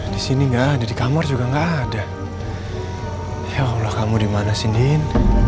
disini enggak ada di kamar juga enggak ada ya allah kamu dimana sih andin